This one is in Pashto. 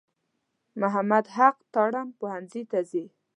محمد حق تارڼ پوهنځي ته ځي.